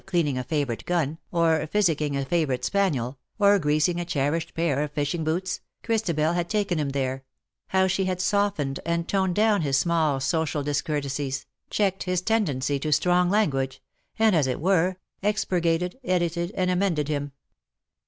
197 cleaning a favourite gun^ or physicking a favourite spaniel, or greasing a cherished pair of fishing boots, Christabel had taken him there — how she had softened and toned down his small social dis courtesies, checked his tendency to strong language — and, as it were, expurgated, edited, and amended him.